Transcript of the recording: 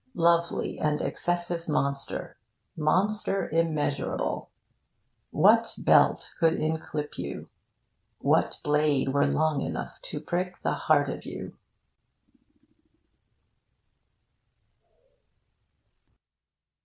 Lovely and excessive monster! Monster immensurable! What belt could inclip you? What blade were long enough to prick the heart of you?